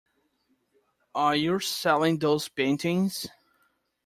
Are you selling those paintings?